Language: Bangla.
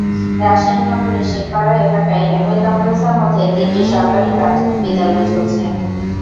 রাজশাহী নগরের শেখপাড়া এলাকায় একই ক্যাম্পাসের মধ্যে তিনটি সরকারি প্রাথমিক বিদ্যালয় চলছে।